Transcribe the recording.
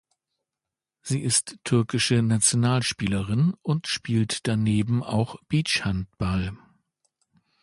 Sie ist türkische Nationalspielerin und spielt daneben auch Beachhandball.